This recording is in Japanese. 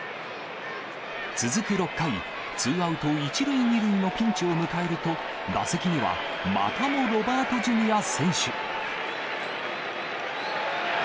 続く６回、ツーアウト１塁２塁のピンチを迎えると、打席にはまたもロバートＪｒ．選手。